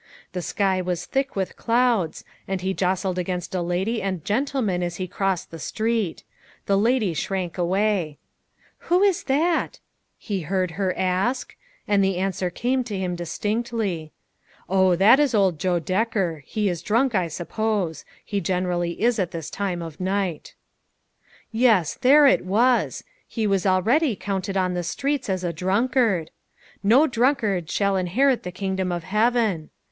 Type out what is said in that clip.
The sky was thick with clouds, and he jostled against a lady and gentleman as he crossed the street ; the lady shrank away. "Who is that?" he 256 LITTLE FISHERS: AISD THEIR NETS. heard her ask; and the answer came to him distinctly: "Oh! it is old Joe Decker; he is drunk, I suppose. He generally is at this time of night." Yes, there it was ! he \vas already, counted on the streets as a drunkard. " No drunkard shall inherit the kingdom of heaven."